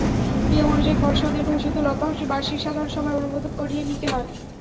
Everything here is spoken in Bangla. নিয়ম অনুযায়ী, পর্ষদের ঘোষিত লভ্যাংশ বার্ষিক সাধারণ সভায় অনুমোদন করিয়ে নিতে হয়।